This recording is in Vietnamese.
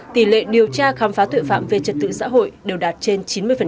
tỷ lệ điều tra khám phá tội phạm về trật tự xã hội đều đạt trên chín mươi